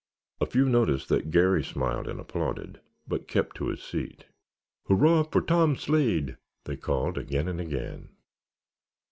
A few noticed that Garry smiled and applauded, but kept to his seat. "Hurrah for Tom Slade!" they called again and again.